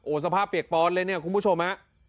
สภาพเปียกปอนเลยเนี่ยคุณผู้ชมฮะ